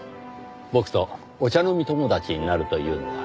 僕とお茶飲み友達になるというのは。